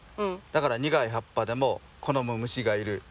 だから苦い葉っぱでも好む虫がいる。